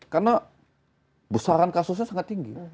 karena besaran kasusnya sangat tinggi